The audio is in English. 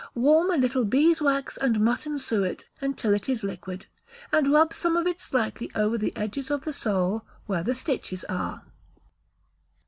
Warm a little bees' wax and mutton suet until it is liquid, and rub some of it slightly over the edges of the sole, where the stitches are.